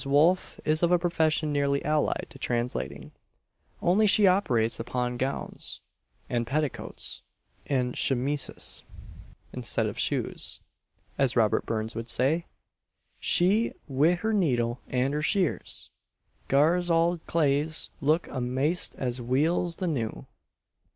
Wolf is of a profession nearly allied to translating, only she operates upon gowns, and petticoats, and "chemises," instead of shoes. As Robert Burns would say, " She wi' her needle and her shears, Gars auld claes look amaist as weel's the new."